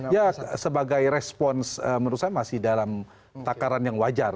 ya sebagai respons menurut saya masih dalam takaran yang wajar